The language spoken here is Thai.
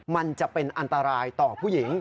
มันจะเป็นอันตรายต่อผู้หญิง